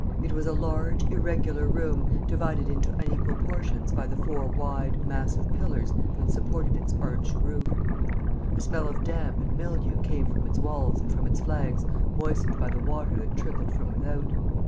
It was a large, irregular room, divided into unequal portions by the four wide, massive pillars that supported its arched roof. A smell of damp and mildew came from its walls and from its flags moistened by the water that trickled from without.